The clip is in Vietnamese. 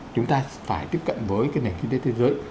chúng ta phải tiếp cận với cái nền kinh tế thế giới